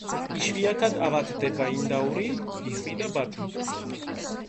იშვიათად ავადდება ინდაური, იხვი და ბატი.